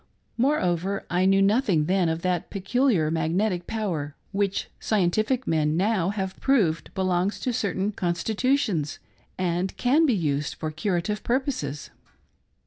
Moreover I knew nothing then of that peculiar magnetic power which scientific men now have proved belongs to certain constitutions and can be used for curative purposes.